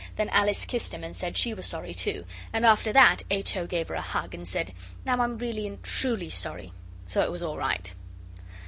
Then Alice kissed him and said she was sorry too; and after that H. O. gave her a hug, and said, 'Now I'm really and truly sorry,' So it was all right.